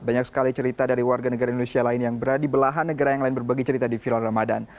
banyak sekali cerita dari warga negara indonesia lain yang berada di belahan negara yang lain berbagi cerita di viral ramadan